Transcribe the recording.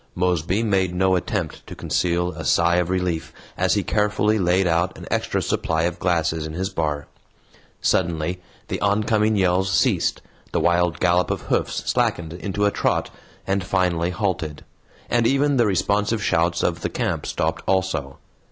Mosby made no attempt to conceal a sigh of relief as he carefully laid out an extra supply of glasses in his bar. Suddenly the oncoming yells ceased, the wild gallop of hoofs slackened into a trot, and finally halted, and even the responsive shouts of the camp stopped also.